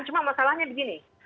cuma masalahnya begini